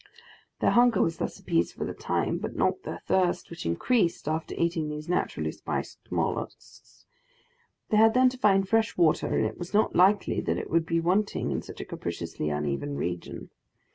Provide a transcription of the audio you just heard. Their hunger was thus appeased for the time, but not their thirst, which increased after eating these naturally spiced molluscs. They had then to find fresh water, and it was not likely that it would be wanting in such a capriciously uneven region.